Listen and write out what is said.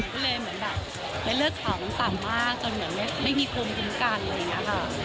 ก็เลยเหมือนเป็นเลือดสาวน้ำต่ำมากจนไม่มีกรุงกิ้มกัน